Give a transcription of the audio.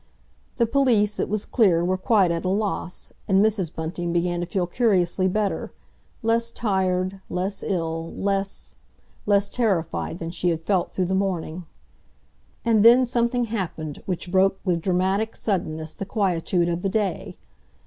The police, it was clear, were quite at a loss, and Mrs. Bunting began to feel curiously better, less tired, less ill, less—less terrified than she had felt through the morning. And then something happened which broke with dramatic suddenness the quietude of the day.